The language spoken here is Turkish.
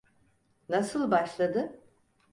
Nasıl başladı?